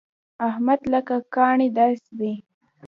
احمد لکه کاڼی داسې دی.